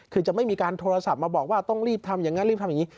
คือจะไม่มีการโทรศัพท์มาบอกว่าต้องรีบทำอย่างนั้นรีบทำอย่างนี้